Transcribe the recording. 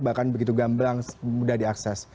bahkan begitu gamblang mudah diakses